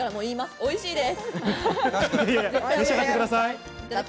おいしいです。